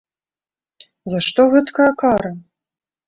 За што гэткая кара?